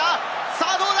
さぁどうだ？